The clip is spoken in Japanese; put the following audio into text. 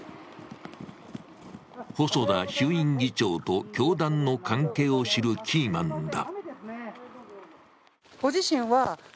細田衆院議長と教団の関係を知るキーマンだ。